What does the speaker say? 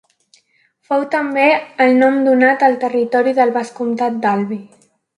Fou també el nom donat al territori del vescomtat d'Albi.